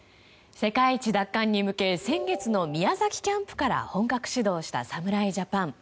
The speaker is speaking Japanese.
世界一奪還に向けて先月の宮崎キャンプから本格始動した侍ジャパン。